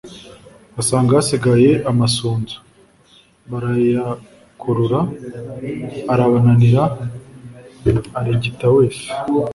basanga hasigaye amasunzu. barayakurura, arabananira, arigita wese.